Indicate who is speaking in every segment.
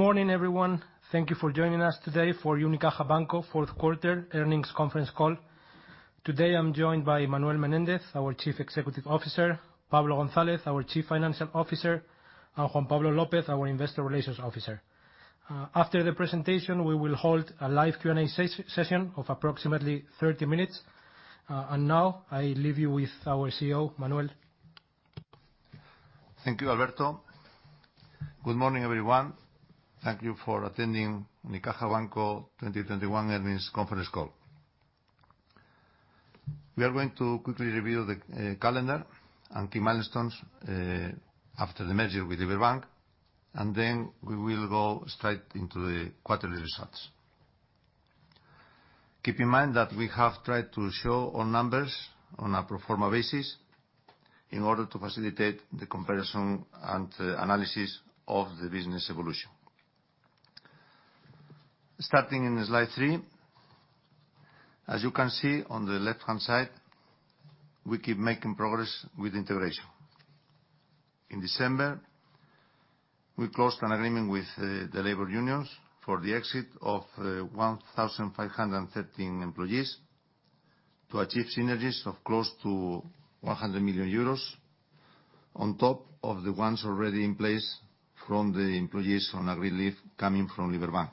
Speaker 1: Good morning, everyone. Thank you for joining us today for Unicaja Banco fourth quarter earnings conference call. Today, I'm joined by Manuel Menéndez, our Chief Executive Officer, Pablo González, our Chief Financial Officer, and Juan Pablo López, our Investor Relations Officer. After the presentation, we will hold a live Q&A session of approximately 30 minutes. Now, I leave you with our CEO, Manuel.
Speaker 2: Thank you, Alberto. Good morning, everyone. Thank you for attending Unicaja Banco 2021 earnings conference call. We are going to quickly review the calendar and key milestones after the merger with Liberbank, and then we will go straight into the quarterly results. Keep in mind that we have tried to show all numbers on a pro forma basis in order to facilitate the comparison and the analysis of the business evolution. Starting in slide three, as you can see on the left-hand side, we keep making progress with integration. In December, we closed an agreement with the labor unions for the exit of 1,513 employees to achieve synergies of close to 100 million euros, on top of the ones already in place from the employees on agreed leave coming from Liberbank.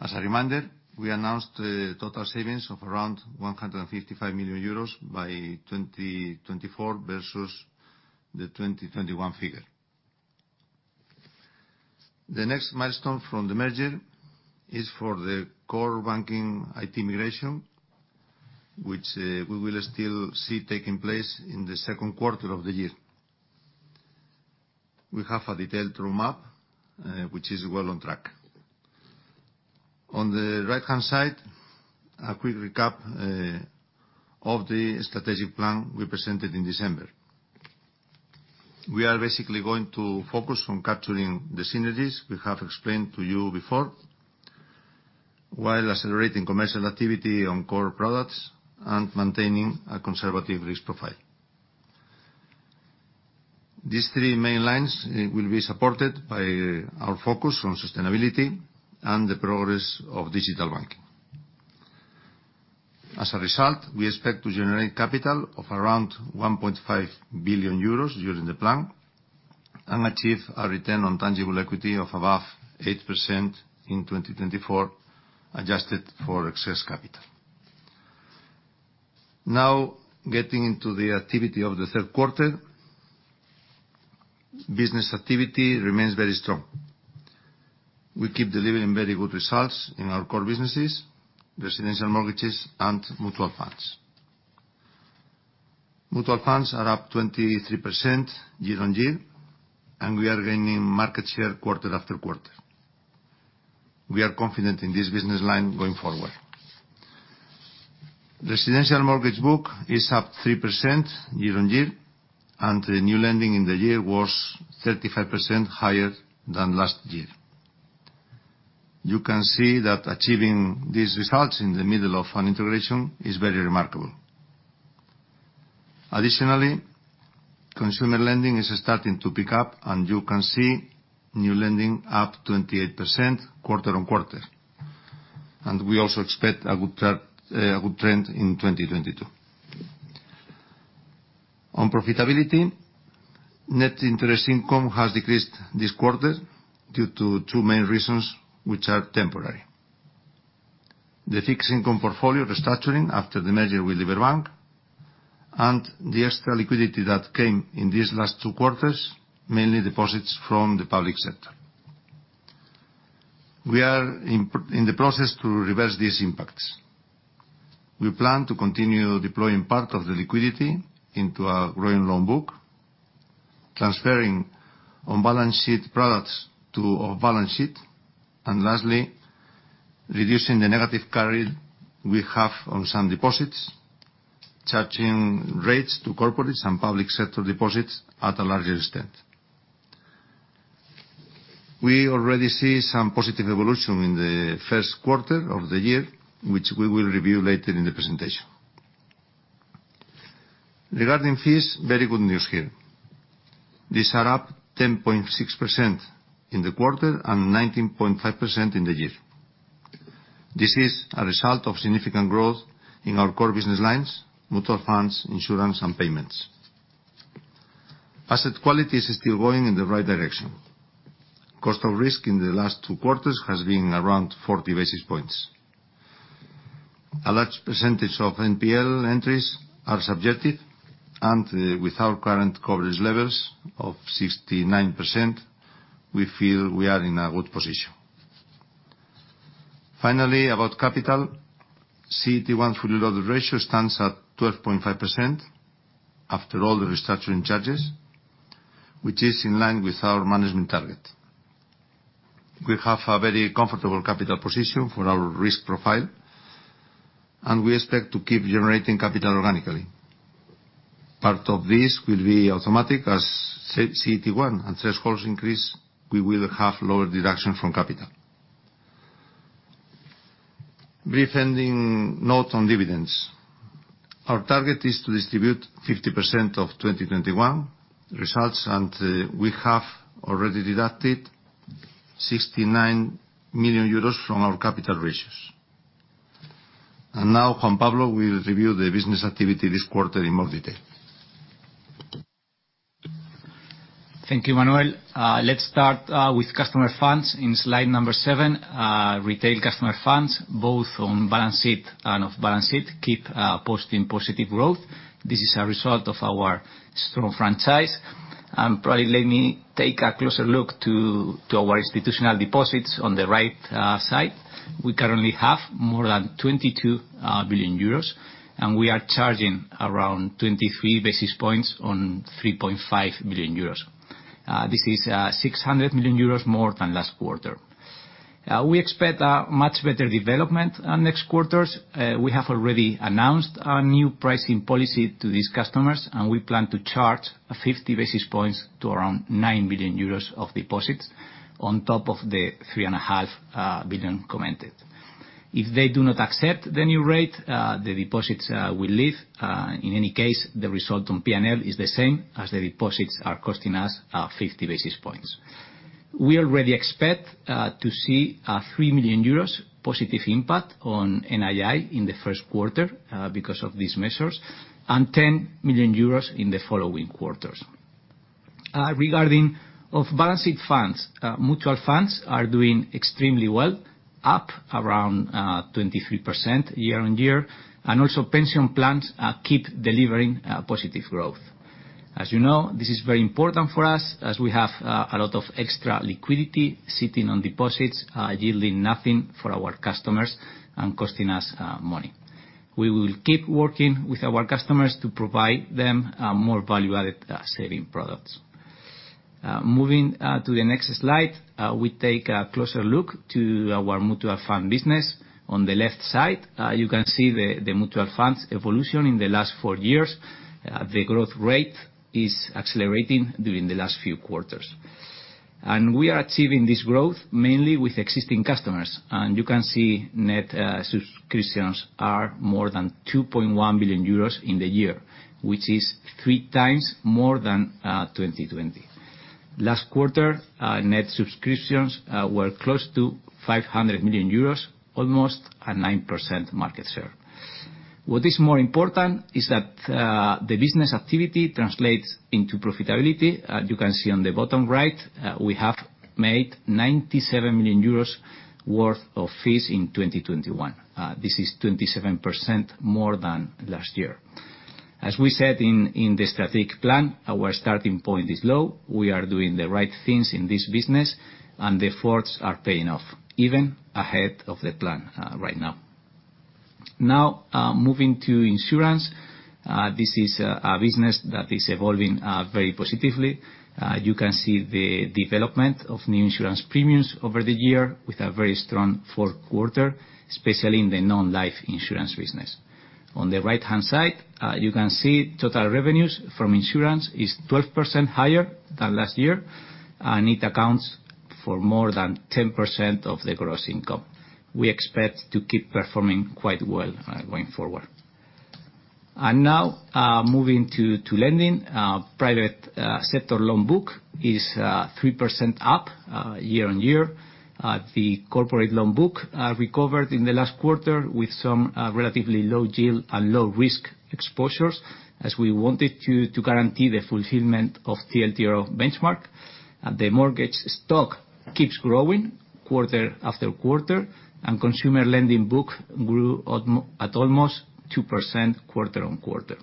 Speaker 2: As a reminder, we announced total savings of around 155 million euros by 2024 versus the 2021 figure. The next milestone from the merger is for the core banking IT migration, which we will still see taking place in the second quarter of the year. We have a detailed roadmap, which is well on track. On the right-hand side, a quick recap of the strategic plan we presented in December. We are basically going to focus on capturing the synergies we have explained to you before, while accelerating commercial activity on core products and maintaining a conservative risk profile. These three main lines will be supported by our focus on sustainability and the progress of digital banking. As a result, we expect to generate capital of around 1.5 billion euros during the plan and achieve a return on tangible equity of above 8% in 2024, adjusted for excess capital. Now, getting into the activity of the third quarter, business activity remains very strong. We keep delivering very good results in our core businesses, residential mortgages and mutual funds. Mutual funds are up 23% year-over-year, and we are gaining market share quarter-after-quarter. We are confident in this business line going forward. Residential mortgage book is up 3% year-over-year, and the new lending in the year was 35% higher than last year. You can see that achieving these results in the middle of an integration is very remarkable. Additionally, consumer lending is starting to pick up, and you can see new lending up 28% quarter on quarter. We also expect a good trend in 2022. On profitability, net interest income has decreased this quarter due to two main reasons, which are temporary. The fixed income portfolio restructuring after the merger with Liberbank, and the extra liquidity that came in these last two quarters, mainly deposits from the public sector. We are in the process to reverse these impacts. We plan to continue deploying part of the liquidity into our growing loan book, transferring on-balance-sheet products to off-balance sheet, and lastly, reducing the negative carry we have on some deposits, charging rates to corporates and public sector deposits at a larger extent. We already see some positive evolution in the first quarter of the year, which we will review later in the presentation. Regarding fees, very good news here. These are up 10.6% in the quarter, and 19.5% in the year. This is a result of significant growth in our core business lines, mutual funds, insurance, and payments. Asset quality is still going in the right direction. Cost of risk in the last two quarters has been around 40 basis points. A large percentage of NPL entries are subjective, and with our current coverage levels of 69%, we feel we are in a good position. Finally, about capital. CET1 fully loaded ratio stands at 12.5% after all the restructuring charges, which is in line with our management target. We have a very comfortable capital position for our risk profile, and we expect to keep generating capital organically. Part of this will be automatic. As CET1 and thresholds increase, we will have lower deduction from capital. Brief ending note on dividends. Our target is to distribute 50% of 2021 results, and we have already deducted 69 million euros from our capital ratios. Now, Juan Pablo will review the business activity this quarter in more detail.
Speaker 3: Thank you, Manuel. Let's start with customer funds in slide number seven. Retail customer funds, both on balance sheet and off balance sheet, keep posting positive growth. This is a result of our strong franchise. Probably let me take a closer look to our institutional deposits on the right side. We currently have more than 22 billion euros, and we are charging around 23 basis points on 3.5 billion euros. This is 600 million euros more than last quarter. We expect a much better development on next quarters. We have already announced our new pricing policy to these customers, and we plan to charge 50 basis points to around 9 billion euros of deposits on top of the 3.5 billion commented. If they do not accept the new rate, the deposits will leave. In any case, the result on PNL is the same, as the deposits are costing us 50 basis points. We already expect to see a 3 million euros positive impact on NII in the first quarter, because of these measures, and 10 million euros in the following quarters. Regarding off-balance-sheet funds, mutual funds are doing extremely well, up around 23% year-on-year, and also pension plans keep delivering positive growth. As you know, this is very important for us, as we have a lot of extra liquidity sitting on deposits, yielding nothing for our customers and costing us money. We will keep working with our customers to provide them more value-added savings products. Moving to the next slide, we take a closer look to our mutual fund business. On the left side, you can see the mutual funds evolution in the last four years. The growth rate is accelerating during the last few quarters. We are achieving this growth mainly with existing customers. You can see net subscriptions are more than 2.1 billion euros in the year, which is three times more than 2020. Last quarter, net subscriptions were close to 500 million euros, almost a 9% market share. What is more important is that the business activity translates into profitability. As you can see on the bottom right, we have made 97 million euros worth of fees in 2021. This is 27% more than last year. As we said in the strategic plan, our starting point is low. We are doing the right things in this business, and the efforts are paying off, even ahead of the plan, right now. Now, moving to insurance. This is a business that is evolving very positively. You can see the development of new insurance premiums over the year with a very strong fourth quarter, especially in the non-life insurance business. On the right-hand side, you can see total revenues from insurance is 12% higher than last year, and it accounts for more than 10% of the gross income. We expect to keep performing quite well, going forward. Now, moving to lending. Private sector loan book is 3% up year-over-year. The corporate loan book recovered in the last quarter with some relatively low yield and low risk exposures, as we wanted to guarantee the fulfillment of TLTRO benchmark. The mortgage stock keeps growing quarter after quarter, and consumer lending book grew at almost 2% quarter-on-quarter.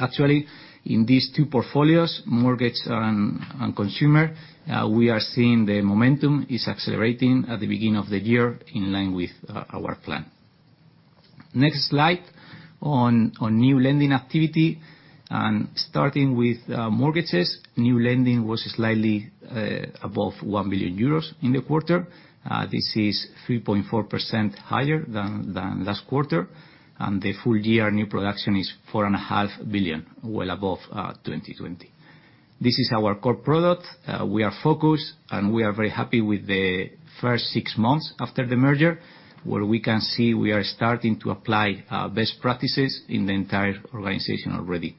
Speaker 3: Actually, in these two portfolios, mortgage and consumer, we are seeing the momentum is accelerating at the beginning of the year in line with our plan. Next slide on new lending activity, and starting with mortgages, new lending was slightly above 1 billion euros in the quarter. This is 3.4% higher than last quarter, and the full year new production is 4.5 billion, well above 2020. This is our core product. We are focused, and we are very happy with the first six months after the merger, where we can see we are starting to apply best practices in the entire organization already.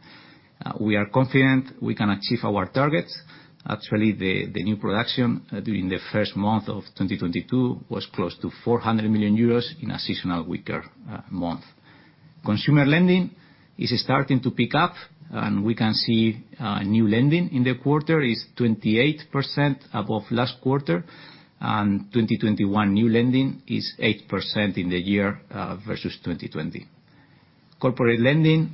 Speaker 3: We are confident we can achieve our targets. Actually, the new production during the first month of 2022 was close to 400 million euros in a seasonal weaker month. Consumer lending is starting to pick up, and we can see new lending in the quarter is 28% above last quarter, and 2021 new lending is 8% in the year versus 2020. Corporate lending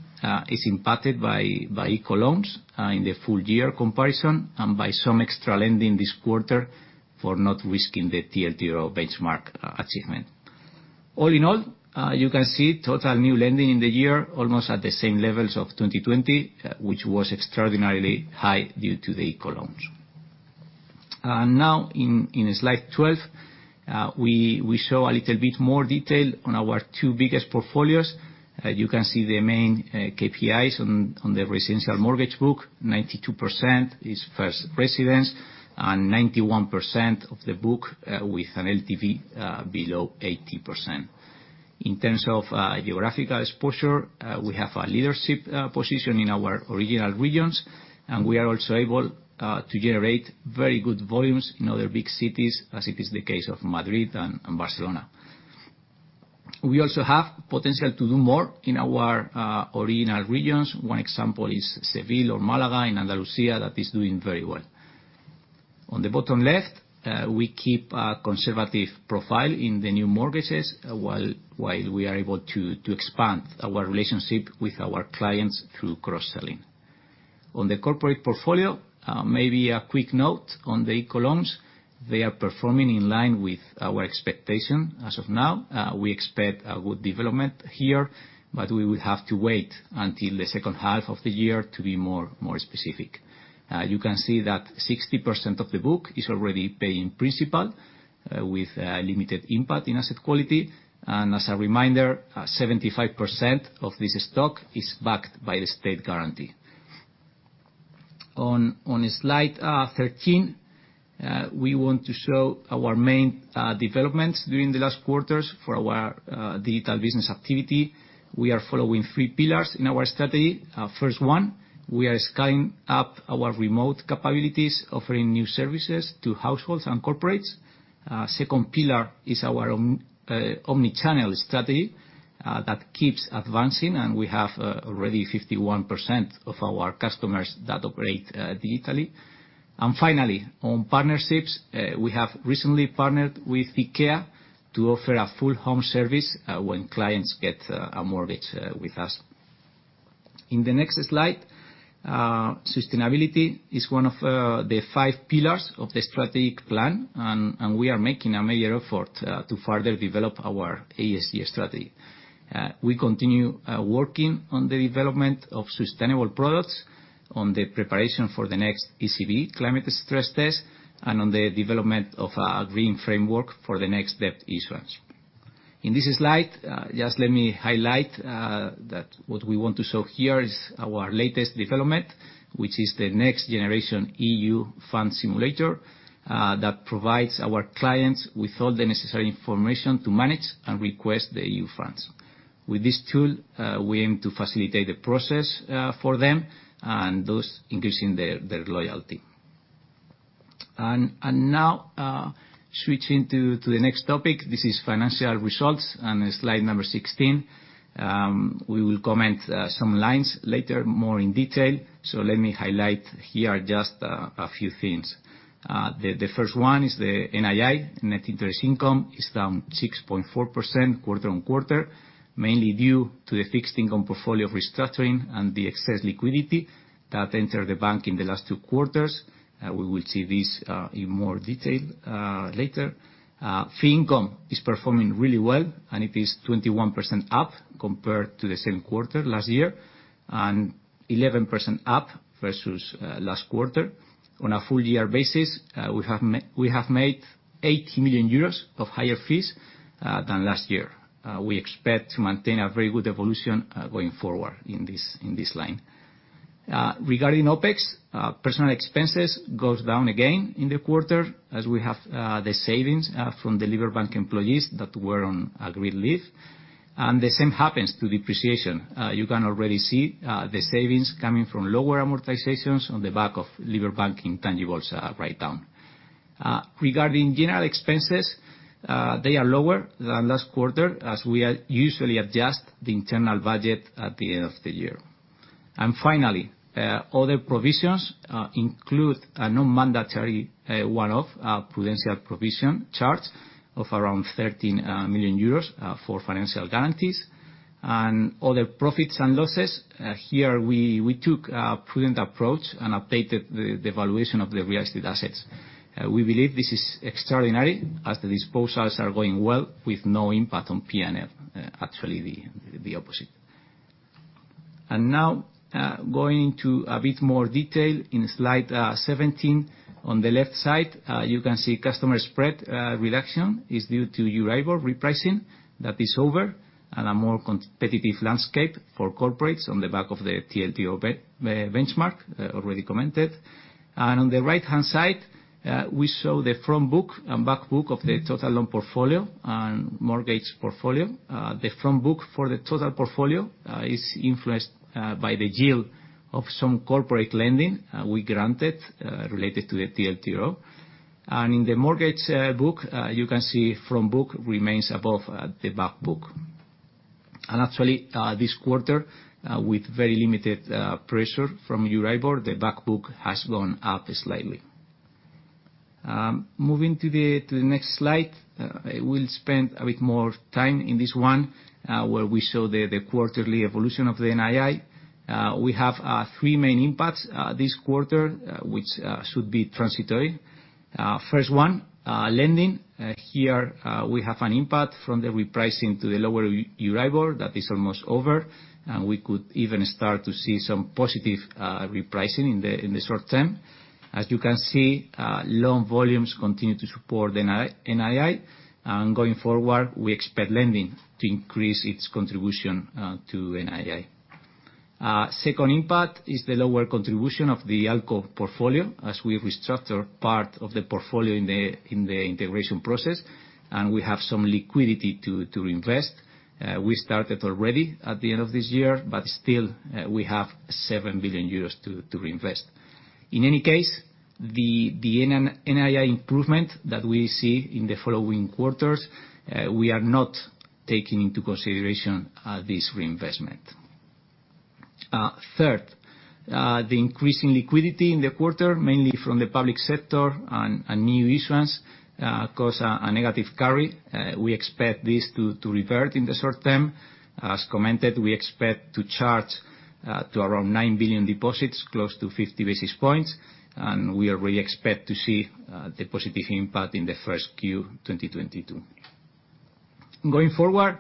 Speaker 3: is impacted by ICO loans in the full year comparison, and by some extra lending this quarter for not risking the TLTRO benchmark achievement. All in all, you can see total new lending in the year almost at the same levels of 2020, which was extraordinarily high due to the ICO loans. Now in slide 12, we show a little bit more detail on our two biggest portfolios. You can see the main KPIs on the residential mortgage book. 92% is first residence, and 91% of the book with an LTV below 80%. In terms of geographical exposure, we have a leadership position in our original regions, and we are also able to generate very good volumes in other big cities, as it is the case of Madrid and Barcelona. We also have potential to do more in our original regions. One example is Seville or Málaga in Andalusia, that is doing very well. On the bottom left, we keep a conservative profile in the new mortgages, while we are able to expand our relationship with our clients through cross-selling. On the corporate portfolio, maybe a quick note on the ICO loans. They are performing in line with our expectation as of now. We expect a good development here, but we will have to wait until the second half of the year to be more specific. You can see that 60% of the book is already paying principal, with limited impact in asset quality. As a reminder, 75% of this stock is backed by the state guarantee. On slide 13, we want to show our main developments during the last quarters for our digital business activity. We are following three pillars in our strategy. First one, we are scaling up our remote capabilities, offering new services to households and corporates. Second pillar is our omni-channel strategy that keeps advancing, and we have already 51% of our customers that operate digitally. Finally, on partnerships, we have recently partnered with IKEA to offer a full home service when clients get a mortgage with us. In the next slide, sustainability is one of the five pillars of the strategic plan, and we are making a major effort to further develop our ESG strategy. We continue working on the development of sustainable products, on the preparation for the next ECB Climate Stress Test, and on the development of a green framework for the next debt issuance. In this slide, just let me highlight that what we want to show here is our latest development, which is the NextGenerationEU Funds Simulator that provides our clients with all the necessary information to manage and request the NextGenerationEU funds. With this tool, we aim to facilitate the process for them and thus increasing their loyalty. Now switching to the next topic, this is financial results on slide number 16. We will comment some lines later, more in detail, so let me highlight here just a few things. The first one is the NII, net interest income, is down 6.4% quarter-on-quarter, mainly due to the fixed income portfolio restructuring and the excess liquidity that entered the bank in the last two quarters. We will see this in more detail later. Fee income is performing really well, and it is 21% up compared to the same quarter last year, and 11% up versus last quarter. On a full year basis, we have made 80 million euros of higher fees than last year. We expect to maintain a very good evolution going forward in this line. Regarding OpEx, personal expenses goes down again in the quarter as we have the savings from the Liberbank employees that were on agreed leave. The same happens to depreciation. You can already see the savings coming from lower amortizations on the back of Liberbank intangibles write-down. Regarding general expenses, they are lower than last quarter, as we usually adjust the internal budget at the end of the year. Finally, other provisions include a non-mandatory, one-off, prudential provision charge of around 13 million euros for financial guarantees. Other profits and losses, here we took a prudent approach and updated the valuation of the real estate assets. We believe this is extraordinary, as the disposals are going well with no impact on P&L. Actually, the opposite. Now, going into a bit more detail in slide 17. On the left side, you can see customer spread reduction is due to EURIBOR repricing that is over and a more competitive landscape for corporates on the back of the TLTRO benchmark, already commented. On the right-hand side, we show the front book and back book of the total loan portfolio and mortgage portfolio. The front book for the total portfolio is influenced by the yield of some corporate lending we granted related to the TLTRO. In the mortgage book, you can see front book remains above the back book. Actually, this quarter, with very limited pressure from EURIBOR, the back book has gone up slightly. Moving to the next slide, I will spend a bit more time in this one, where we show the quarterly evolution of the NII. We have three main impacts this quarter, which should be transitory. First one, lending. Here, we have an impact from the repricing to the lower EURIBOR that is almost over, and we could even start to see some positive repricing in the short term. As you can see, loan volumes continue to support NII. Going forward, we expect lending to increase its contribution to NII. Second impact is the lower contribution of the ALCO portfolio as we restructure part of the portfolio in the integration process, and we have some liquidity to reinvest. We started already at the end of this year, but still, we have 7 billion euros to reinvest. In any case, the NII improvement that we see in the following quarters, we are not taking into consideration this reinvestment. Third, the increasing liquidity in the quarter, mainly from the public sector and new issuance, caused a negative carry. We expect this to revert in the short term. As commented, we expect to charge to around 9 billion deposits, close to 50 basis points, and we already expect to see the positive impact in the first Q 2022. Going forward,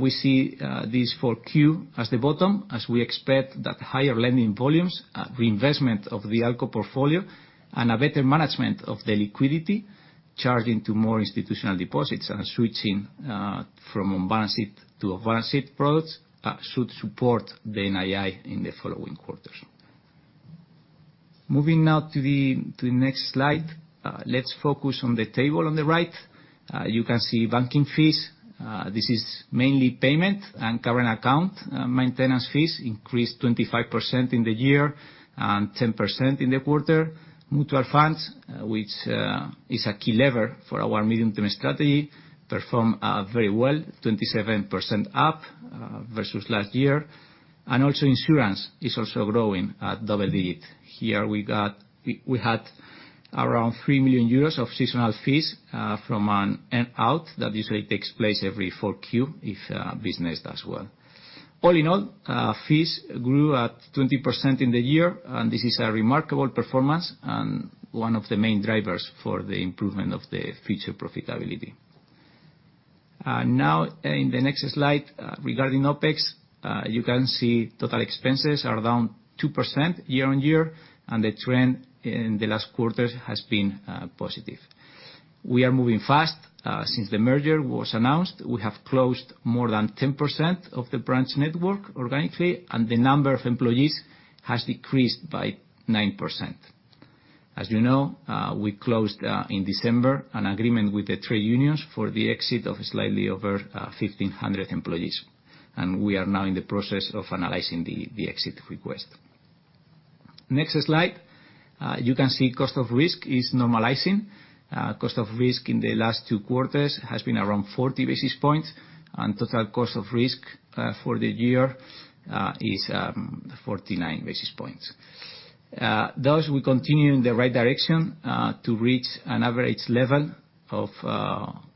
Speaker 3: we see these 4Q as the bottom, as we expect that higher lending volumes, reinvestment of the ALCO portfolio, and a better management of the liquidity charging to more institutional deposits and switching from on-balance sheet to off-balance sheet products should support the NII in the following quarters. Moving now to the next slide, let's focus on the table on the right. You can see banking fees. This is mainly payment and current account maintenance fees increased 25% in the year and 10% in the quarter. Mutual funds, which is a key lever for our medium-term strategy, perform very well, 27% up versus last year. Insurance is also growing at double digits. Here, we had around 3 million euros of seasonal fees from an out that usually takes place every 4Q if business does well. All in all, fees grew at 20% in the year, and this is a remarkable performance and one of the main drivers for the improvement of the future profitability. Now in the next slide, regarding OpEx, you can see total expenses are down 2% year-on-year, and the trend in the last quarters has been positive. We are moving fast since the merger was announced. We have closed more than 10% of the branch network organically, and the number of employees has decreased by 9%. As you know, we closed in December an agreement with the trade unions for the exit of slightly over 1,500 employees. We are now in the process of analyzing the exit request. Next slide. You can see cost of risk is normalizing. Cost of risk in the last two quarters has been around 40 basis points, and total cost of risk for the year is 49 basis points. Thus, we continue in the right direction to reach an average level of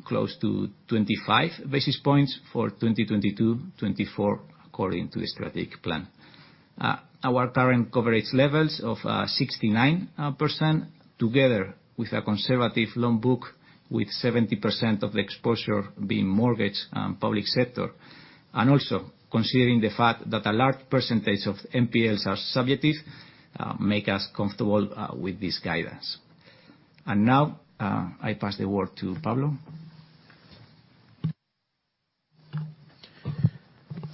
Speaker 3: close to 25 basis points for 2022, 2024, according to the strategic plan. Our current coverage levels of 69%, together with a conservative loan book with 70% of the exposure being mortgage and public sector, and also considering the fact that a large percentage of NPLs are subjective, make us comfortable with this guidance. Now, I pass the word to Pablo.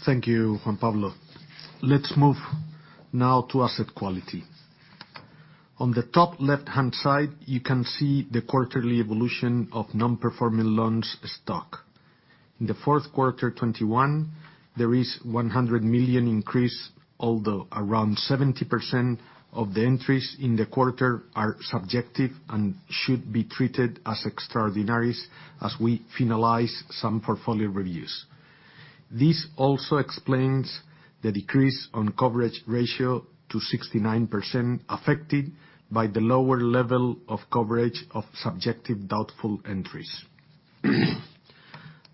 Speaker 4: Thank you, Juan Pablo. Let's move now to asset quality. On the top left-hand side, you can see the quarterly evolution of non-performing loans stock. In the fourth quarter 2021, there is 100 million increase, although around 70% of the entries in the quarter are subjective and should be treated as extraordinaries as we finalize some portfolio reviews. This also explains the decrease on coverage ratio to 69% affected by the lower level of coverage of subjective doubtful entries.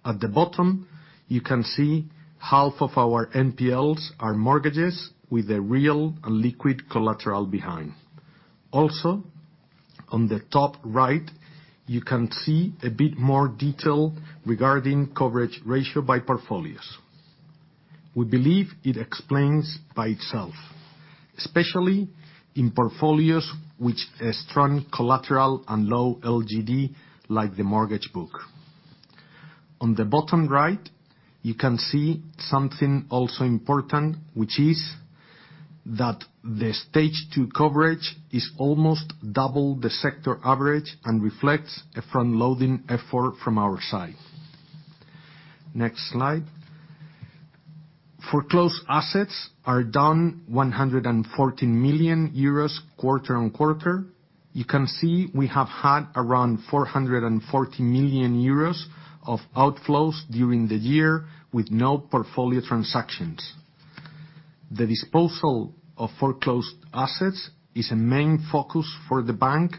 Speaker 4: At the bottom, you can see half of our NPLs are mortgages with a real and liquid collateral behind. Also, on the top right, you can see a bit more detail regarding coverage ratio by portfolios. We believe it explains by itself, especially in portfolios which has strong collateral and low LGD like the mortgage book. On the bottom right, you can see something also important, which is that the stage two coverage is almost double the sector average and reflects a front-loading effort from our side. Next slide. Foreclosed assets are down 114 million euros quarter-over-quarter. You can see we have had around 414 million euros of outflows during the year with no portfolio transactions. The disposal of foreclosed assets is a main focus for the bank,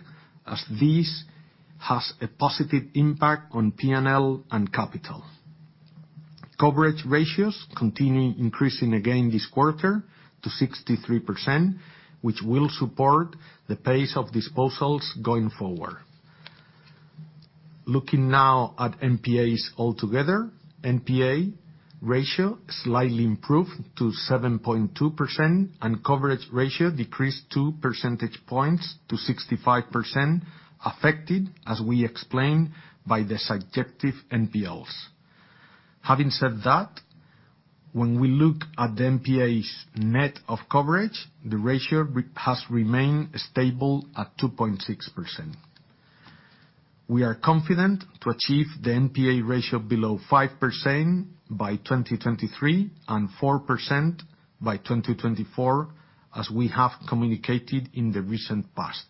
Speaker 4: as this has a positive impact on PNL and capital. Coverage ratios continue increasing again this quarter to 63%, which will support the pace of disposals going forward. Looking now at NPAs altogether, NPA ratio slightly improved to 7.2%, and coverage ratio decreased two percentage points to 65% affected, as we explained, by the subjective NPLs. Having said that, when we look at the NPAs net of coverage, the ratio has remained stable at 2.6%. We are confident to achieve the NPA ratio below 5% by 2023, and 4% by 2024, as we have communicated in the recent past.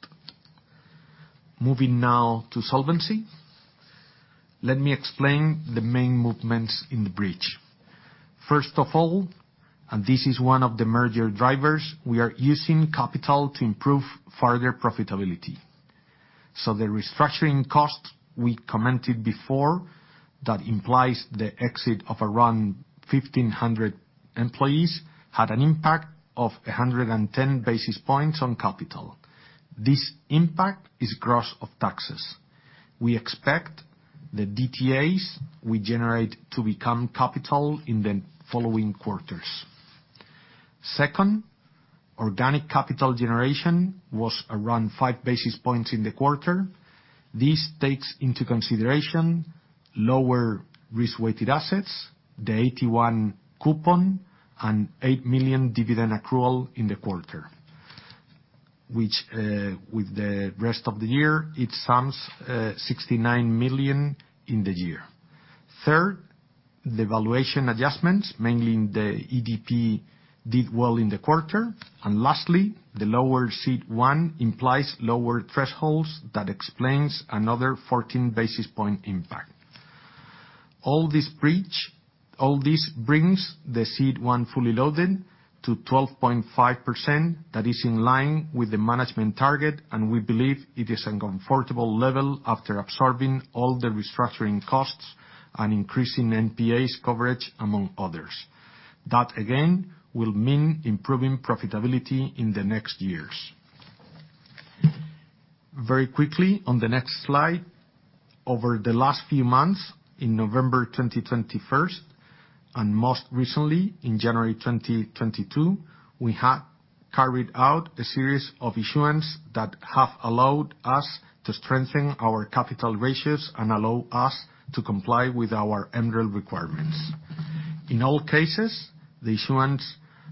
Speaker 4: Moving now to solvency. Let me explain the main movements in the bridge. First of all, and this is one of the merger drivers, we are using capital to improve further profitability. The restructuring cost we commented before, that implies the exit of around 1,500 employees, had an impact of 110 basis points on capital. This impact is gross of taxes. We expect the DTAs we generate to become capital in the following quarters. Second, organic capital generation was around 5 basis points in the quarter. This takes into consideration lower risk weighted assets, the AT1 coupon, and 8 million dividend accrual in the quarter, which, with the rest of the year, it sums, 69 million in the year. Third, the valuation adjustments, mainly in the EDP, did well in the quarter. Lastly, the lower CET1 implies lower thresholds. That explains another 14 basis points impact. All this brings the CET1 fully loaded to 12.5%. That is in line with the management target, and we believe it is a comfortable level after absorbing all the restructuring costs and increasing NPAs coverage, among others. That, again, will mean improving profitability in the next years. Very quickly, on the next slide, over the last few months, in November 2021, and most recently, in January 2022, we had carried out a series of issuance that have allowed us to strengthen our capital ratios and allow us to comply with our MREL requirements. In all cases, the issuance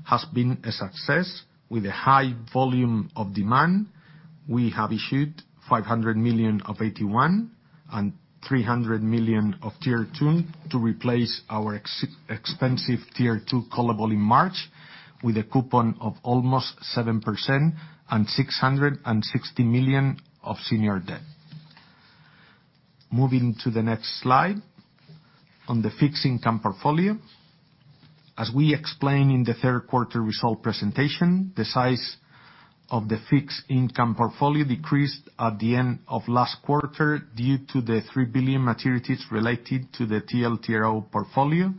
Speaker 4: has been a success with a high volume of demand. We have issued 500 million of AT1 and 300 million of Tier 2 to replace our expensive Tier 2 callable in March, with a coupon of almost 7% and 660 million of senior debt. Moving to the next slide. On the fixed income portfolio, as we explained in the third quarter result presentation, the size of the fixed income portfolio decreased at the end of last quarter due to the 3 billion maturities related to the TLTRO portfolio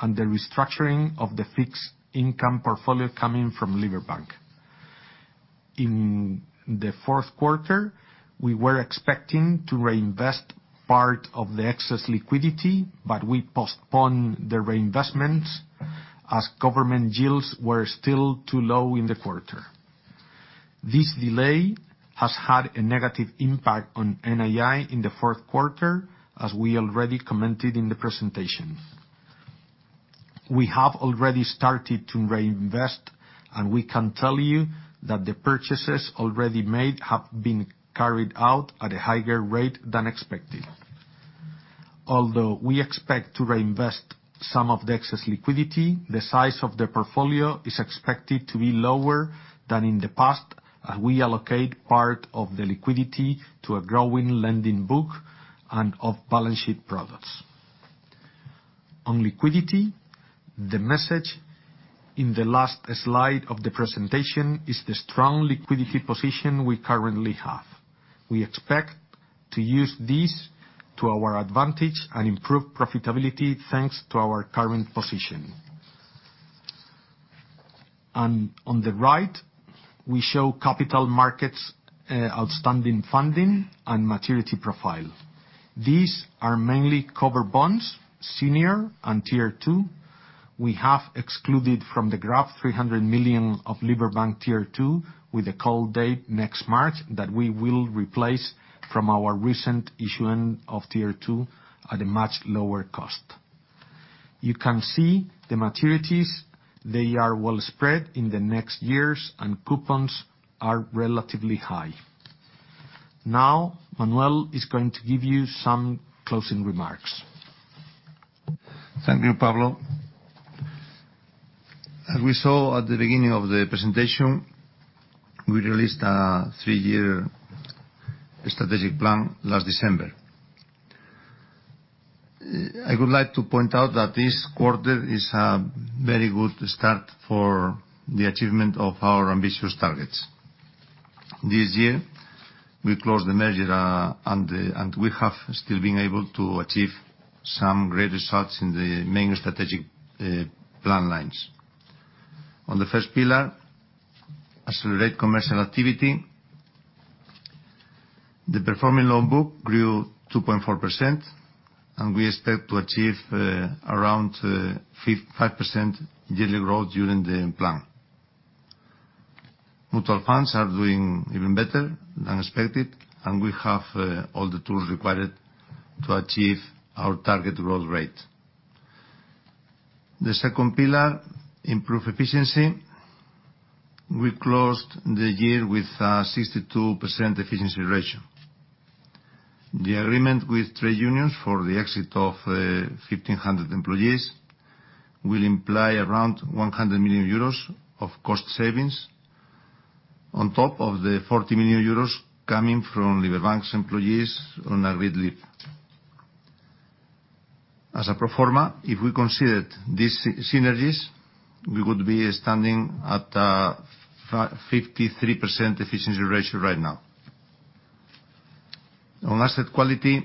Speaker 4: and the restructuring of the fixed income portfolio coming from Liberbank. In the fourth quarter, we were expecting to reinvest part of the excess liquidity, but we postponed the reinvestments as government yields were still too low in the quarter. This delay has had a negative impact on NII in the fourth quarter, as we already commented in the presentation. We have already started to reinvest, and we can tell you that the purchases already made have been carried out at a higher rate than expected. Although we expect to reinvest some of the excess liquidity, the size of the portfolio is expected to be lower than in the past, as we allocate part of the liquidity to a growing lending book and off-balance sheet products. On liquidity, the message in the last slide of the presentation is the strong liquidity position we currently have. We expect to use this to our advantage and improve profitability, thanks to our current position. On the right, we show capital markets, outstanding funding and maturity profile. These are mainly cover bonds, senior and Tier 2. We have excluded from the graph 300 million of Liberbank Tier 2 with a call date next March that we will replace from our recent issuing of Tier 2 at a much lower cost. You can see the maturities, they are well spread in the next years, and coupons are relatively high. Now, Manuel is going to give you some closing remarks.
Speaker 2: Thank you, Pablo. As we saw at the beginning of the presentation, we released a three-year strategic plan last December. I would like to point out that this quarter is a very good start for the achievement of our ambitious targets. This year, we closed the merger, and we have still been able to achieve some great results in the main strategic plan lines. On the first pillar, accelerate commercial activity. The performing loan book grew 2.4%, and we expect to achieve around 5% yearly growth during the plan. Mutual funds are doing even better than expected, and we have all the tools required to achieve our target growth rate. The second pillar, improve efficiency. We closed the year with a 62% efficiency ratio. The agreement with trade unions for the exit of 1,500 employees will imply around 100 million euros of cost savings on top of the 40 million euros coming from Liberbank's employees on agreed leave. As a pro forma, if we considered these synergies, we would be standing at 53% efficiency ratio right now. On asset quality,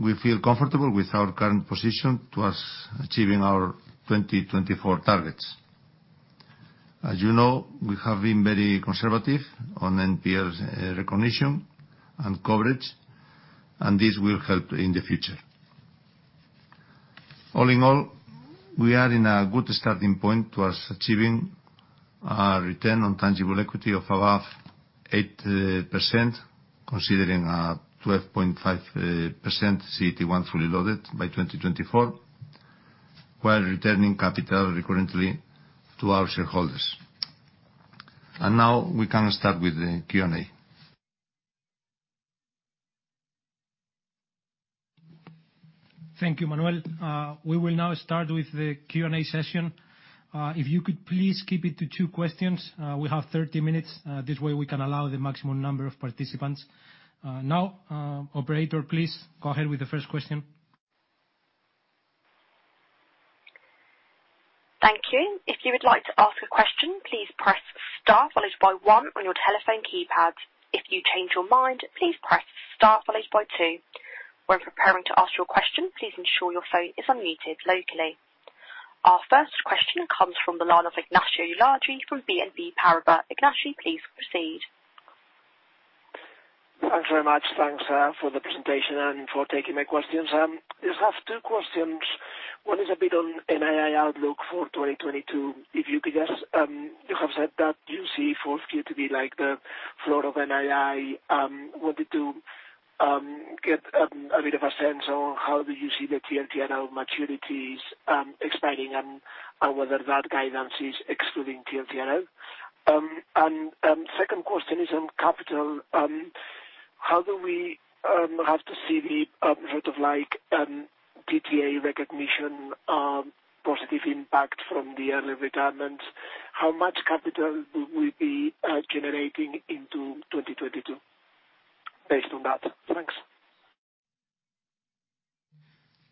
Speaker 2: we feel comfortable with our current position towards achieving our 2024 targets. As you know, we have been very conservative on NPAs recognition and coverage, and this will help in the future. All in all, we are in a good starting point towards achieving our return on tangible equity of above 8%, considering 12.5% CET1 fully loaded by 2024, while returning capital recurrently to our shareholders. Now we can start with the Q&A.
Speaker 1: Thank you, Manuel. We will now start with the Q&A session. If you could please keep it to two questions. We have 30 minutes. This way, we can allow the maximum number of participants. Now, operator, please go ahead with the first question.
Speaker 5: Thank you. If you would like to ask a question, please press star followed by one on your telephone keypad. If you change your mind, please press star followed by two. When preparing to ask your question, please ensure your phone is unmuted locally. Our first question comes from the line of Ignacio Ulargui from BNP Paribas. Ignacio, please proceed.
Speaker 6: Thanks very much. Thanks for the presentation and for taking my questions. Just have two questions. One is a bit on NII outlook for 2022. If you could just... You have said that you see fourth quarter to be, like, the floor of NII. Wanted to get a bit of a sense on how do you see the TLTRO maturities expanding and whether that guidance is excluding TLTRO. Second question is on capital. How do we have to see the sort of like PPA recognition positive impact from the early retirement? How much capital will we be generating into 2022 based on that? Thanks.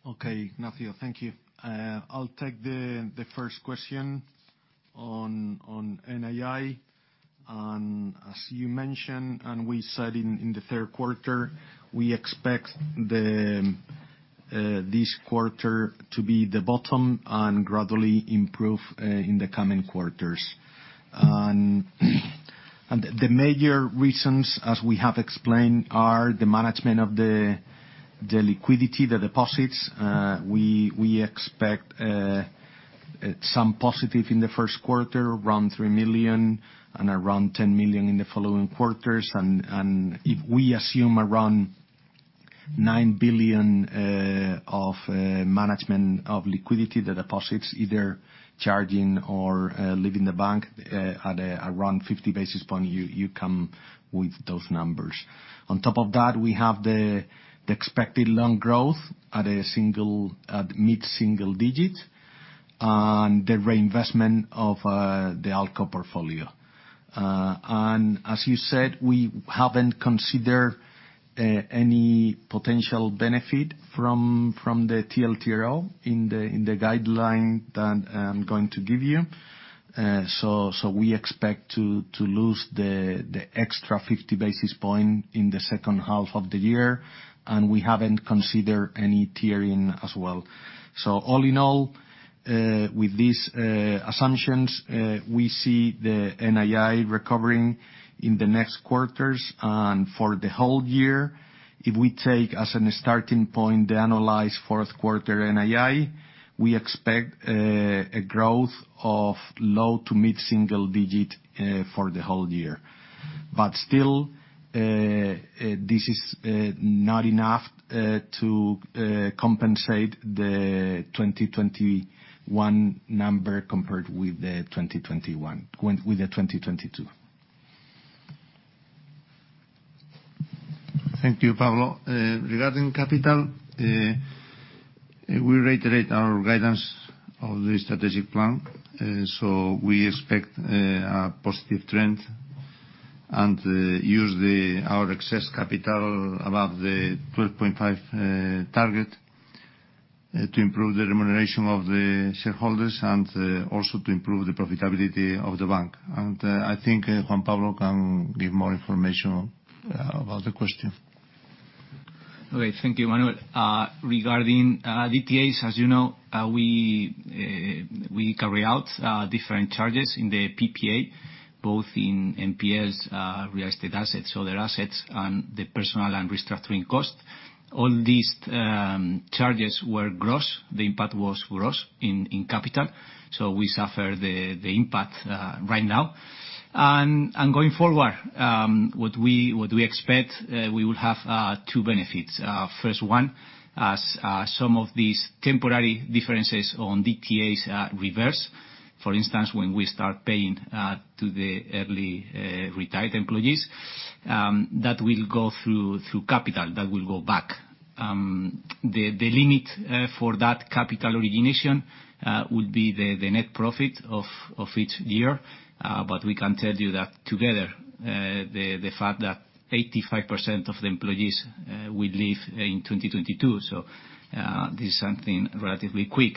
Speaker 4: Okay. Ignacio, thank you. I'll take the first question on NII. As you mentioned, we said in the third quarter, we expect this quarter to be the bottom and gradually improve in the coming quarters. The major reasons, as we have explained, are the management of the liquidity, the deposits. We expect some positive in the first quarter, around 3 million and around 10 million in the following quarters. If we assume around 9 billion of management of liquidity, the deposits, either charging or leaving the bank at around 50 basis points, you come with those numbers. On top of that, we have the expected loan growth at mid-single digit and the reinvestment of the ALCO portfolio. As you said, we haven't considered any potential benefit from the TLTRO in the guideline that I'm going to give you. We expect to lose the extra 50 basis points in the second half of the year, and we haven't considered any tiering as well. All in all, with these assumptions, we see the NII recovering in the next quarters. For the whole year, if we take as a starting point the analyzed fourth quarter NII, we expect a growth of low- to mid-single-digit% for the whole year. Still, this is not enough to compensate the 2021 number compared with the 2022.
Speaker 2: Thank you, Pablo. Regarding capital, we reiterate our guidance of the strategic plan. We expect a positive trend and use our excess capital above the 12.5% target to improve the remuneration of the shareholders and also to improve the profitability of the bank. I think Juan Pablo can give more information about the question.
Speaker 3: Okay, thank you, Manuel. Regarding DTAs, as you know, we carry out different charges in the PPA, both in NPLs, real estate assets or their assets, and the personal and restructuring costs. All these charges were gross. The impact was gross in capital, so we suffer the impact right now. Going forward, what we expect, we will have two benefits. First one, as some of these temporary differences on DTAs are reversed. For instance, when we start paying to the early retired employees, that will go through capital, that will go back. The limit for that capital origination would be the net profit of each year. We can tell you that together, the fact that 85% of the employees will leave in 2022, this is something relatively quick,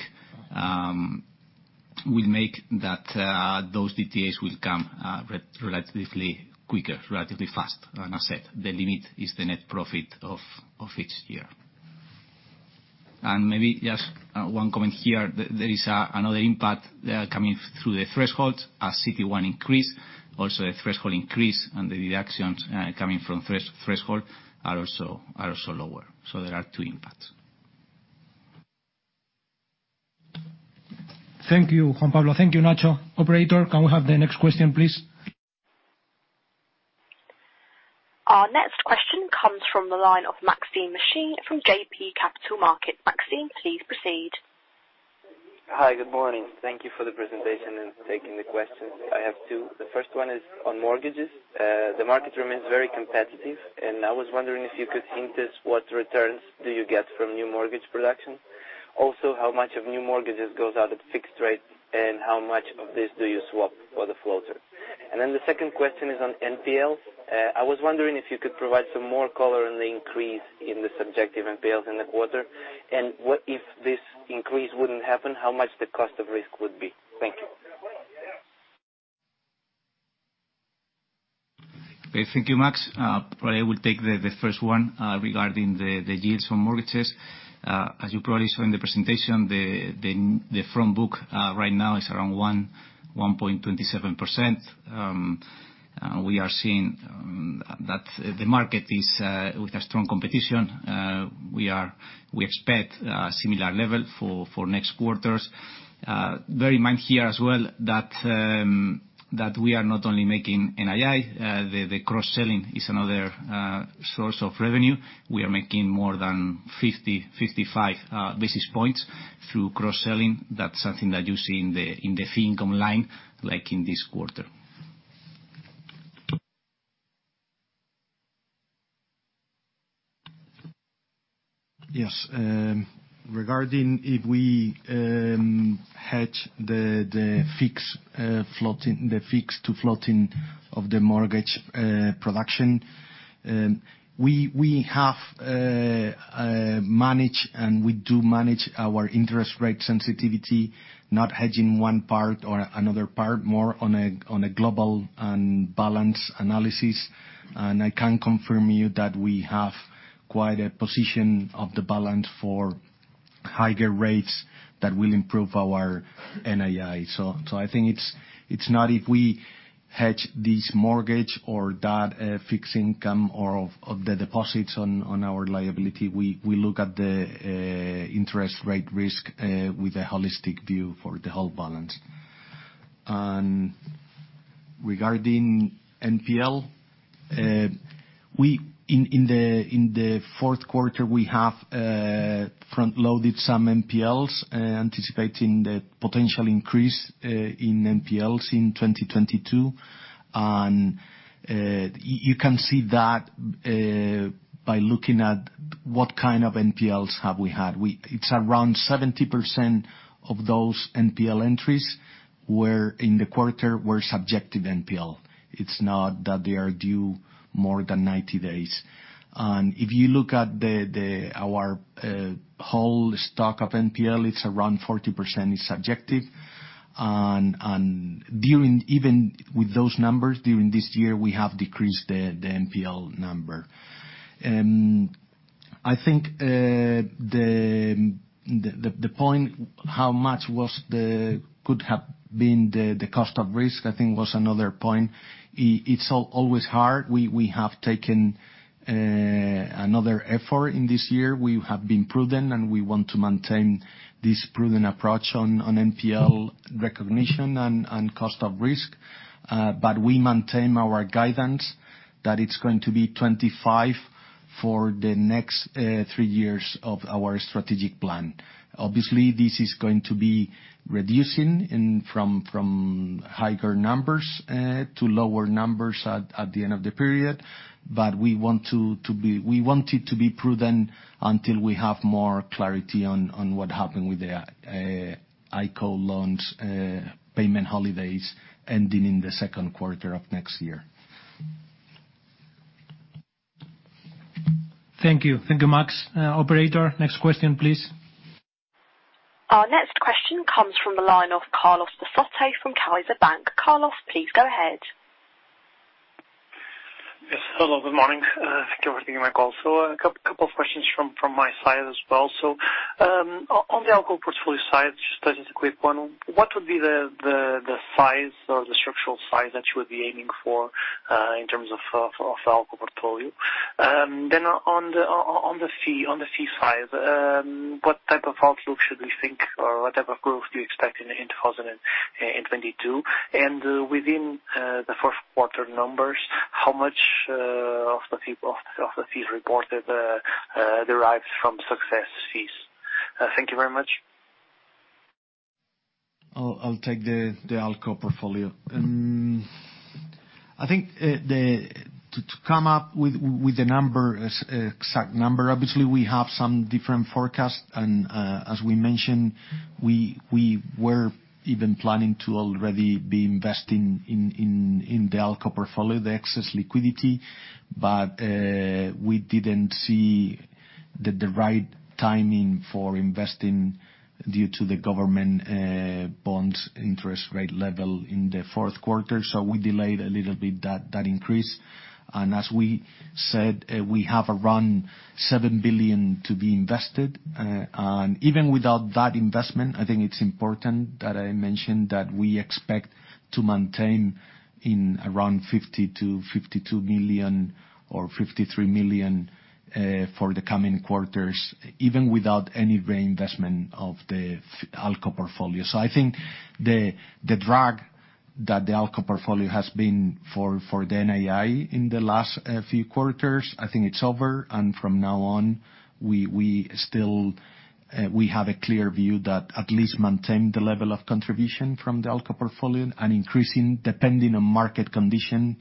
Speaker 3: will make that those DTAs will come relatively quicker, relatively faster. I said, the limit is the net profit of each year. Maybe just one comment here, there is another impact coming through the thresholds. As CET1 increase, also the threshold increase and the reductions coming from threshold are also lower. There are two impacts.
Speaker 1: Thank you, Juan Pablo. Thank you, Nacho. Operator, can we have the next question, please?
Speaker 5: Our next question comes from the line of Maksym Mishyn from JB Capital Markets. Maksym, please proceed.
Speaker 7: Hi. Good morning. Thank you for the presentation and taking the questions. I have two. The first one is on mortgages. The market remains very competitive, and I was wondering if you could hint us what returns do you get from new mortgage production. Also, how much of new mortgages goes out at fixed rate, and how much of this do you swap for the floater? The second question is on NPLs. I was wondering if you could provide some more color on the increase in the subjective NPLs in the quarter. What if this increase wouldn't happen, how much the cost of risk would be? Thank you.
Speaker 3: Okay. Thank you, Max. Probably I will take the first one regarding the yields on mortgages. As you probably saw in the presentation, the front book right now is around 1.27%. We are seeing that the market is with a strong competition. We expect a similar level for next quarters. Bear in mind here as well that we are not only making NII. The cross-selling is another source of revenue. We are making more than 55 basis points through cross-selling. That's something that you see in the fee income line, like in this quarter.
Speaker 4: Yes, regarding if we hedge the fixed to floating of the mortgage production, we have managed and we do manage our interest rate sensitivity, not hedging one part or another part, more on a global and balance analysis. I can confirm you that we have quite a position of the balance for higher rates that will improve our NII. I think it's not if we hedge this mortgage or that fixed income or of the deposits on our liability. We look at the interest rate risk with a holistic view for the whole balance. Regarding NPL, in the fourth quarter, we have front-loaded some NPLs, anticipating the potential increase in NPLs in 2022. You can see that by looking at what kind of NPLs we have had. It's around 70% of those NPL entries in the quarter were subjective NPL. It's not that they are due more than 90 days. If you look at our whole stock of NPL, it's around 40% is subjective. Even with those numbers, during this year, we have decreased the NPL number. I think the point, the cost of risk, I think was another point. It's always hard. We have taken another effort in this year. We have been prudent, and we want to maintain this prudent approach on NPL recognition and cost of risk. We maintain our guidance that it's going to be 25 for the next three years of our strategic plan. Obviously, this is going to be reducing from higher numbers to lower numbers at the end of the period. We wanted to be prudent until we have more clarity on what happened with the ICO loans payment holidays ending in the second quarter of next year.
Speaker 1: Thank you. Thank you, Max. Operator, next question, please.
Speaker 5: Our next question comes from the line of Carlos Peixoto from Banco BPI. Carlos, please go ahead.
Speaker 8: Yes. Hello. Good morning. Thank you for taking my call. A couple of questions from my side as well. On the ALCO portfolio side, just a quick one, what would be the size or the structural size that you would be aiming for in terms of ALCO portfolio? Then on the fee side, what type of outlook should we think or what type of growth do you expect in 2022? Within the first quarter numbers, how much of the fees reported derives from success fees? Thank you very much.
Speaker 4: I'll take the ALCO portfolio. I think to come up with the exact number, obviously we have some different forecasts and, as we mentioned, we were even planning to already be investing in the ALCO portfolio, the excess liquidity. We didn't see the right timing for investing due to the government bonds interest rate level in the fourth quarter, so we delayed a little bit that increase. As we said, we have around 7 billion to be invested. Even without that investment, I think it's important that I mention that we expect to maintain in around 50 million-52 million or 53 million for the coming quarters, even without any reinvestment of the ALCO portfolio. I think the drag that the ALCO portfolio has been for the NII in the last few quarters. I think it's over, and from now on, we still have a clear view that at least maintain the level of contribution from the ALCO portfolio and increasing depending on market condition.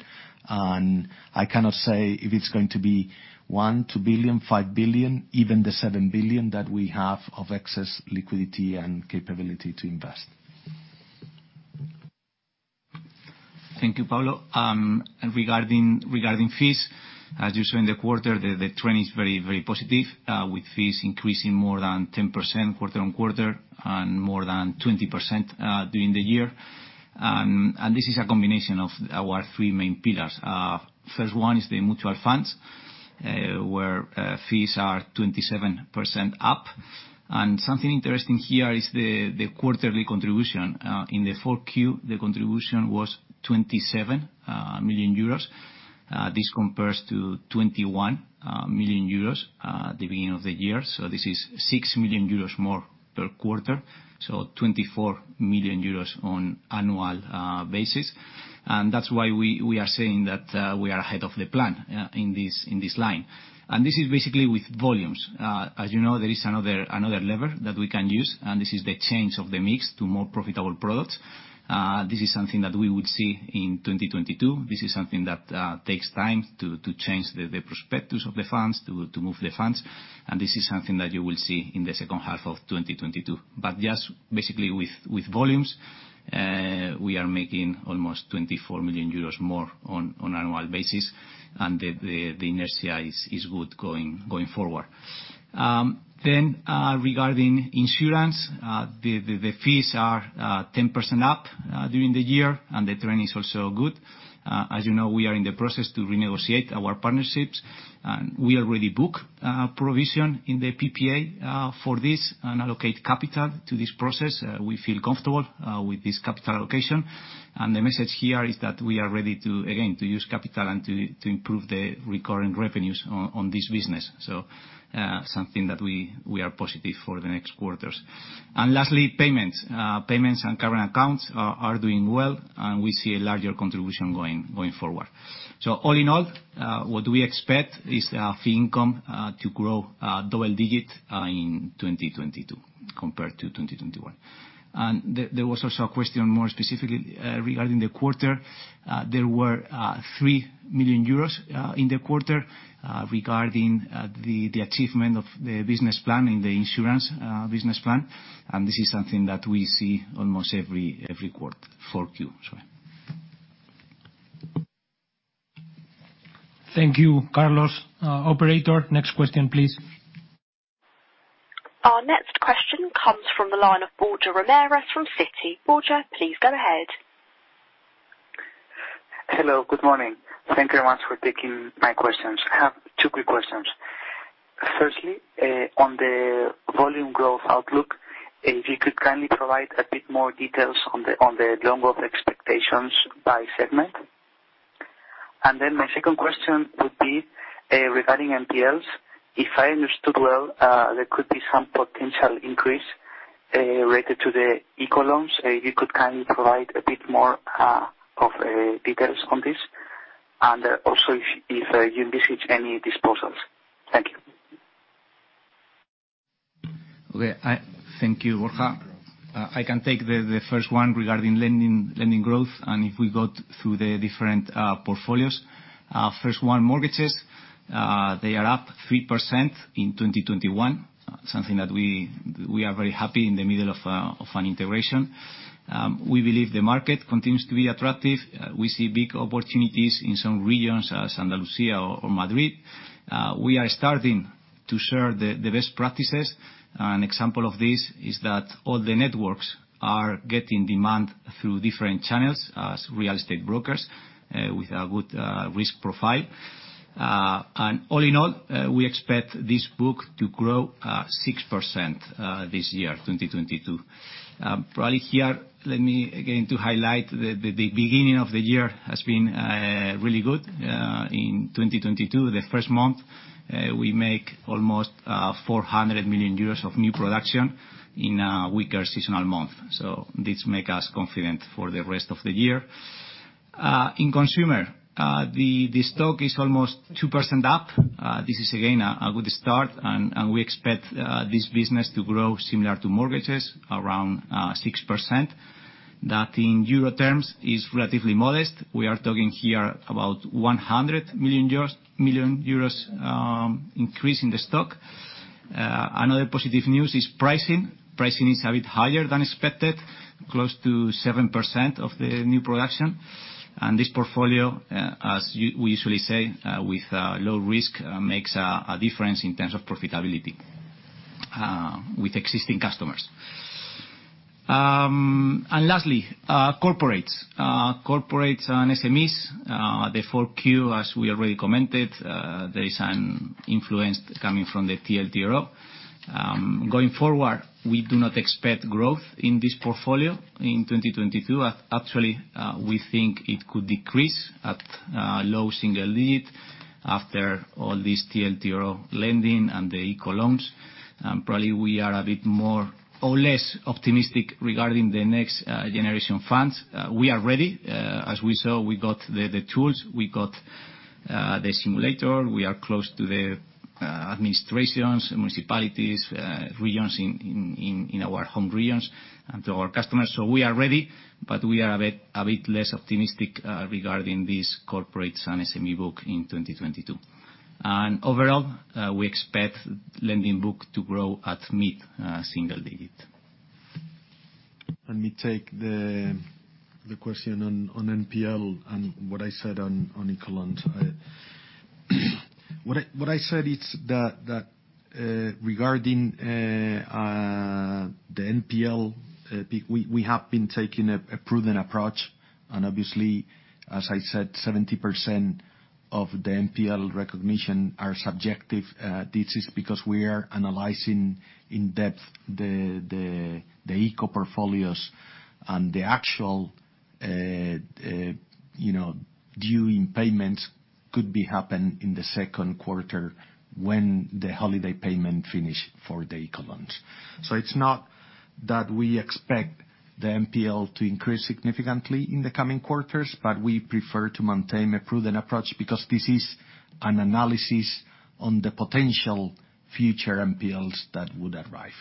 Speaker 4: I cannot say if it's going to be 1 billion, 2 billion, 5 billion, even the 7 billion that we have of excess liquidity and capability to invest.
Speaker 3: Thank you, Pablo. Regarding fees, as you saw in the quarter, the trend is very positive with fees increasing more than 10% quarter-on-quarter and more than 20% during the year. This is a combination of our three main pillars. First one is the mutual funds, where fees are 27% up. Something interesting here is the quarterly contribution. In the 4Q, the contribution was 27 million euros. This compares to 21 million euros at the beginning of the year. This is 6 million euros more per quarter, so 24 million euros on an annual basis. That's why we are saying that we are ahead of the plan in this line. This is basically with volumes. As you know, there is another lever that we can use, and this is the change of the mix to more profitable products. This is something that we would see in 2022. This is something that takes time to change the perspectives of the funds, to move the funds, and this is something that you will see in the second half of 2022. Just basically with volumes, we are making almost 24 million euros more on annual basis, and the inertia is good going forward. Regarding insurance, the fees are 10% up during the year, and the trend is also good. As you know, we are in the process to renegotiate our partnerships, and we already book provision in the PPA for this and allocate capital to this process. We feel comfortable with this capital allocation. The message here is that we are ready to use capital again and to improve the recurring revenues on this business. Something that we are positive for the next quarters. Lastly, payments. Payments and current accounts are doing well, and we see a larger contribution going forward. All in all, what we expect is our fee income to grow double-digit in 2022 compared to 2021. There was also a question more specifically regarding the quarter. There were 3 million euros in the quarter regarding the achievement of the business plan in the insurance business plan, and this is something that we see almost every quarter. 4Q, sorry.
Speaker 1: Thank you, Carlos. Operator, next question, please.
Speaker 5: Our next question comes from the line of Borja Ramirez from Citi. Borja, please go ahead.
Speaker 9: Hello. Good morning. Thank you very much for taking my questions. I have two quick questions. Firstly, on the volume growth outlook, if you could kindly provide a bit more details on the loan growth expectations by segment. My second question would be, regarding NPLs, if I understood well, there could be some potential increase related to the ICO loans. You could kindly provide a bit more details on this? If you envisage any disposals. Thank you.
Speaker 3: Thank you, Borja. I can take the first one regarding lending growth, and if we go through the different portfolios. First, mortgages, they are up 3% in 2021, something that we are very happy in the middle of an integration. We believe the market continues to be attractive. We see big opportunities in some regions, Andalusia or Madrid. We are starting to share the best practices. An example of this is that all the networks are getting demand through different channels as real estate brokers with a good risk profile. All in all, we expect this book to grow 6% this year, 2022. Probably here, let me begin to highlight the beginning of the year has been really good in 2022. The first month, we make almost 400 million euros of new production in a weaker seasonal month. This make us confident for the rest of the year. In consumer, the stock is almost 2% up. This is again a good start, and we expect this business to grow similar to mortgages, around 6%. That in euro terms is relatively modest. We are talking here about 100 million euros increase in the stock. Another positive news is pricing. Pricing is a bit higher than expected, close to 7% of the new production. This portfolio, as we usually say, with low risk, makes a difference in terms of profitability with existing customers. Lastly, corporates. Corporates and SMEs, the 4Q as we already commented, there is an influence coming from the TLTRO. Going forward, we do not expect growth in this portfolio in 2022. Actually, we think it could decrease at low single-digit% after all this TLTRO lending and the ICO loans. Probably we are a bit more or less optimistic regarding the NextGenerationEU. We are ready. As we saw, we got the tools, we got the simulator, we are close to the administrations, municipalities, regions in our home regions and to our customers. We are ready, but we are a bit less optimistic regarding these corporates and SME book in 2022. Overall, we expect lending book to grow at mid-single digits.
Speaker 4: Let me take the question on NPL and what I said on ICO loans. What I said it's that, regarding the NPL, we have been taking a prudent approach, and obviously, as I said, 70% of the NPL recognition are subjective. This is because we are analyzing in depth the ICO portfolios and the actual, you know, due payments could happen in the second quarter when the holiday payments finish for the ICO loans. It's not that we expect the NPL to increase significantly in the coming quarters, but we prefer to maintain a prudent approach because this is an analysis on the potential future NPLs that would arrive.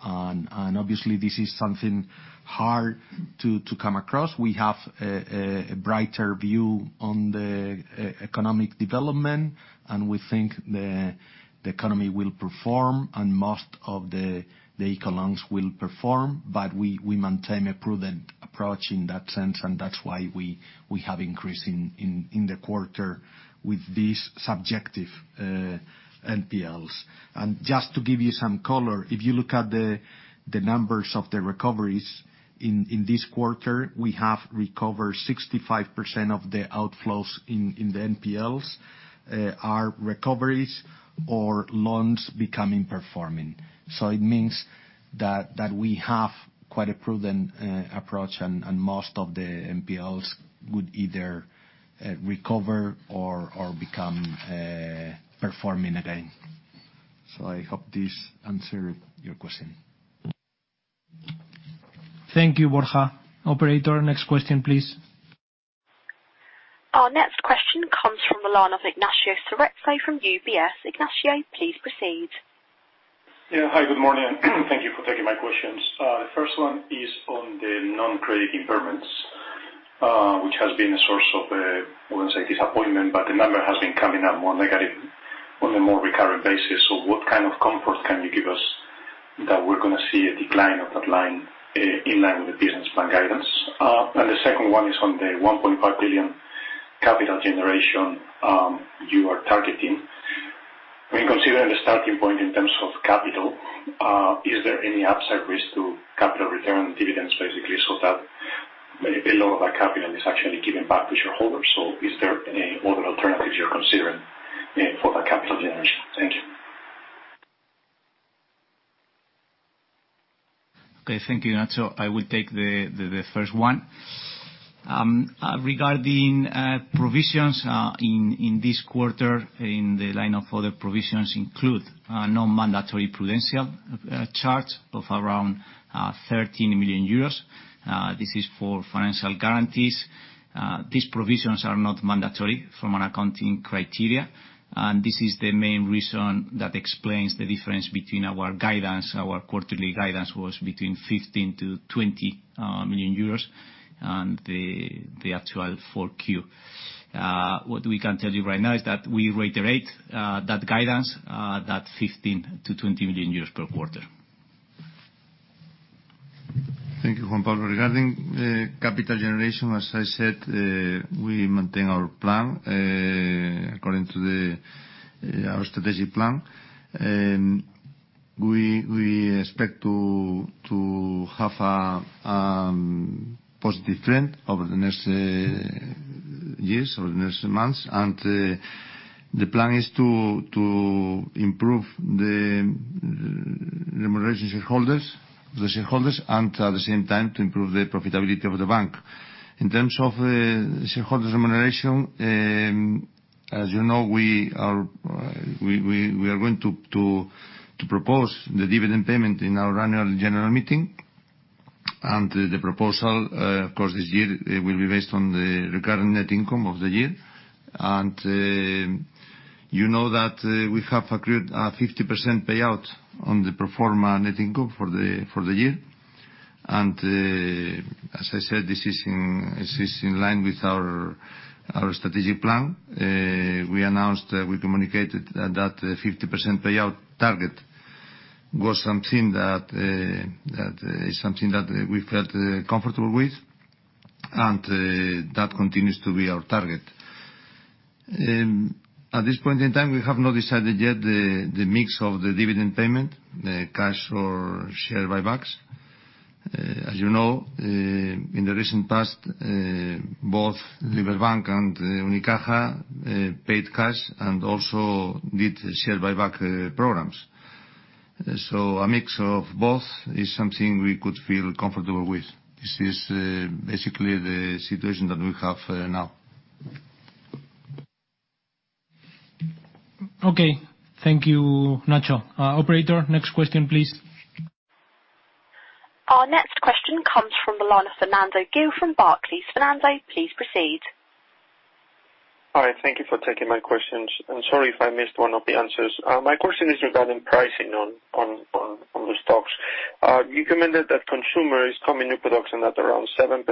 Speaker 4: Obviously this is something hard to come across. We have a brighter view on the economic development, and we think the economy will perform, and most of the ICO loans will perform. We maintain a prudent approach in that sense, and that's why we have increased in the quarter with these subjective NPLs. Just to give you some color, if you look at the numbers of the recoveries in this quarter, we have recovered 65% of the outflows in the NPLs, which are recoveries or loans becoming performing. It means that we have quite a prudent approach, and most of the NPLs would either recover or become performing again. I hope this answers your question.
Speaker 1: Thank you, Borja. Operator, next question, please.
Speaker 5: Our next question comes from the line of Ignacio Cerezo from UBS. Ignacio, please proceed.
Speaker 10: Yeah. Hi, good morning. Thank you for taking my questions. The first one is on the non-credit impairments, which has been a source of, I wouldn't say disappointment, but the number has been coming up more negative on a more recurring basis. What kind of comfort can you give us that we're gonna see a decline of that line in line with the business plan guidance? And the second one is on the 1.5 billion capital generation you are targeting. When considering the starting point in terms of capital, is there any upside risk to capital return dividends, basically, so that maybe a lot of that capital is actually given back to shareholders? Is there any other alternatives you're considering for the capital generation? Thank you.
Speaker 3: Okay. Thank you, Ignacio. I will take the first one. Regarding provisions in this quarter, in the line of other provisions include non-mandatory prudential charge of around 13 million euros. This is for financial guarantees. These provisions are not mandatory from an accounting criteria. This is the main reason that explains the difference between our guidance, our quarterly guidance was between 15 million-20 million euros and the actual 4Q. What we can tell you right now is that we reiterate that guidance, that 15 million-20 million euros per quarter.
Speaker 2: Thank you, Juan Pablo López. Regarding capital generation, as I said, we maintain our plan according to our strategic plan. We expect to have a positive trend over the next months. The plan is to improve shareholder remuneration and at the same time to improve the profitability of the bank. In terms of shareholder remuneration, as you know, we are going to propose the dividend payment in our annual general meeting. The proposal, of course this year, it will be based on the current net income of the year. You know that we have accrued a 50% payout on the pro forma net income for the year. As I said, this is in line with our strategic plan. We announced, we communicated that 50% payout target was something that is something that we felt comfortable with, and that continues to be our target. At this point in time, we have not decided yet the mix of the dividend payment, the cash or share buybacks. As you know, in the recent past, both Liberbank and Unicaja paid cash and also did share buyback programs. A mix of both is something we could feel comfortable with. This is basically the situation that we have now.
Speaker 1: Okay. Thank you, Nacho. Operator, next question, please.
Speaker 5: Our next question comes from the line of Fernando Gil from Barclays. Fernando, please proceed.
Speaker 11: Hi. Thank you for taking my questions, and sorry if I missed one of the answers. My question is regarding pricing on the stocks. You commented that consumer is coming to production at around 7%.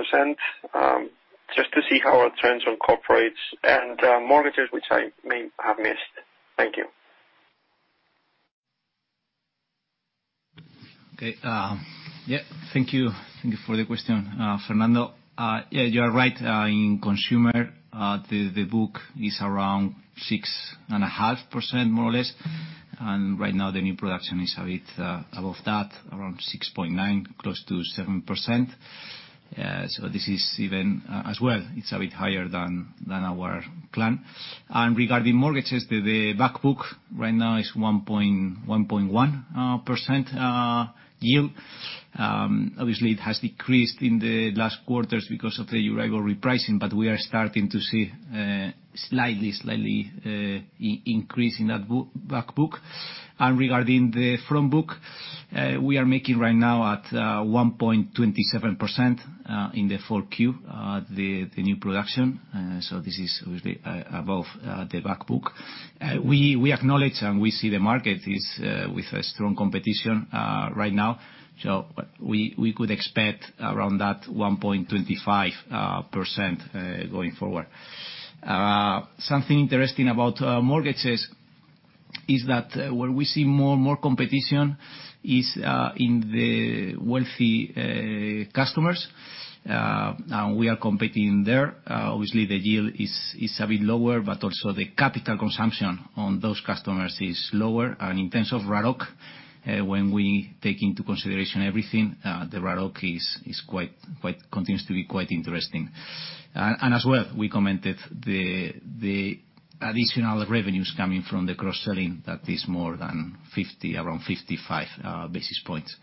Speaker 11: Just to see how it turns on corporates and mortgages which I may have missed. Thank you.
Speaker 3: Thank you for the question, Fernando. You are right. In consumer, the book is around 6.5% more or less, and right now the new production is a bit above that, around 6.9%, close to 7%. This is even as well, it's a bit higher than our plan. Regarding mortgages, the back book right now is 1.1% yield. Obviously it has decreased in the last quarters because of the EURIBOR repricing, but we are starting to see slightly increase in that back book. Regarding the front book, we are making right now at 1.27% in the full Q, the new production. This is obviously above the back book. We acknowledge and see the market is with strong competition right now, so we could expect around that 1.25% going forward. Something interesting about mortgages is that where we see more competition is in the wealthy customers. We are competing there. Obviously the yield is a bit lower, but also the capital consumption on those customers is lower. In terms of ROIC, when we take into consideration everything, the ROIC continues to be quite interesting. As well, we commented the additional revenues coming from the cross-selling that is more than 50, around 55 basis points.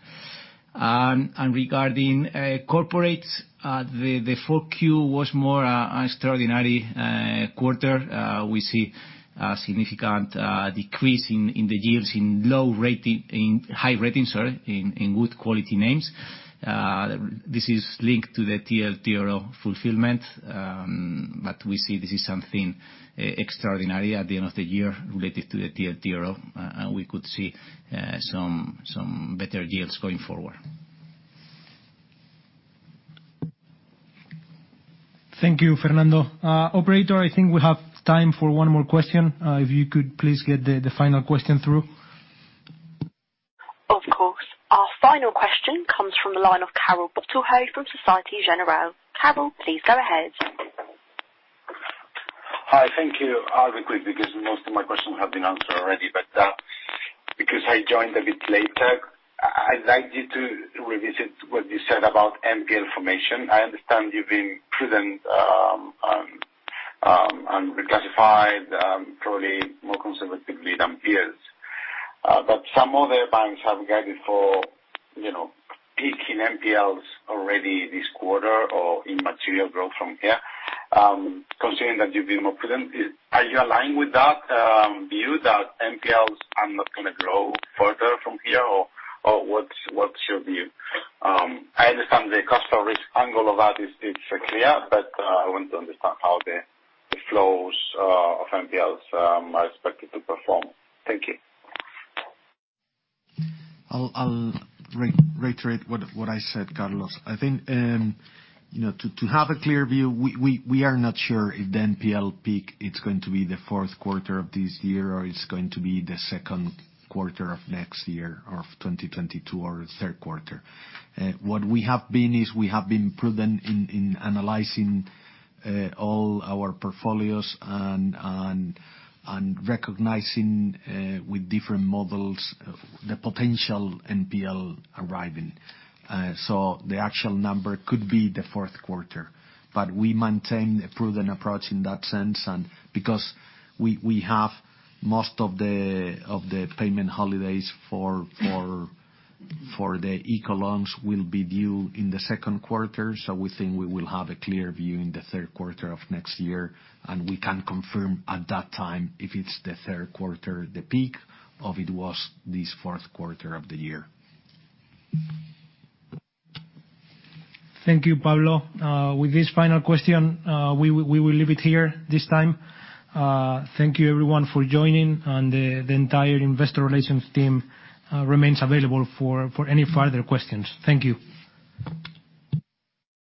Speaker 3: Regarding corporates, the full Q was more extraordinary quarter. We see a significant decrease in the yields in high rating, sorry, in good quality names. This is linked to the TLTRO fulfillment. We see this is something extraordinary at the end of the year related to the TLTRO, and we could see some better deals going forward.
Speaker 1: Thank you, Fernando. Operator, I think we have time for one more question. If you could please get the final question through.
Speaker 5: Of course. Our final question comes from the line of Carlos Cobo from Société Générale. Carlos, please go ahead.
Speaker 12: Hi. Thank you. I'll be quick because most of my questions have been answered already, but because I joined a bit later, I'd like you to revisit what you said about NPL formation. I understand you've been prudent and reclassified probably more conservatively than peers. But some other banks have guided for, you know, peak in NPLs already this quarter or in material growth from here. Considering that you've been more prudent, are you aligned with that view that NPLs are not gonna grow further from here, or what's your view? I understand the cost of risk angle of that is clear, but I want to understand how the flows of NPLs are expected to perform. Thank you.
Speaker 4: I'll reiterate what I said, Carlos. I think you know, to have a clear view, we are not sure if the NPL peak it's going to be the fourth quarter of this year or it's going to be the second quarter of next year or of 2022 or the third quarter. What we have been is we have been prudent in analyzing all our portfolios and recognizing with different models the potential NPL arriving. So the actual number could be the fourth quarter. We maintain a prudent approach in that sense, and because we have most of the payment holidays for the ICO loans will be due in the second quarter. We think we will have a clear view in the third quarter of next year, and we can confirm at that time if it's the third quarter, the peak, or it was this fourth quarter of the year.
Speaker 1: Thank you, Pablo. With this final question, we will leave it here this time. Thank you everyone for joining, and the entire investor relations team remains available for any further questions. Thank you.